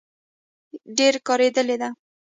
ډبره کارېدلې ده.